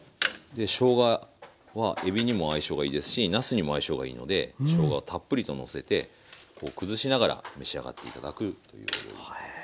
しょうがはえびにも相性がいいですしなすにも相性がいいのでしょうがをたっぷりとのせてこう崩しながら召し上がって頂くということで。